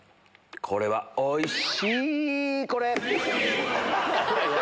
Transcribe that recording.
これはおいし！